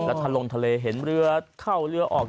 ถ้าลงทะเลเห็นเรือเข้าเรือออก